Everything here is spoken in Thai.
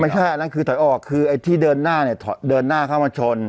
อันนั้นคือถอยออกคือไอ้ที่เดินหน้าเนี่ยเดินหน้าเข้ามาชน